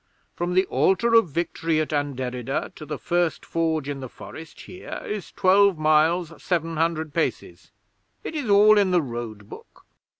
From the Altar of Victory at Anderida to the First Forge in the Forest here is twelve miles seven hundred paces. It is all in the Road Book.